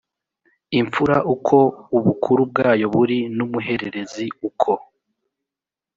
imfura uko ubukuru bwayo buri n umuhererezi uko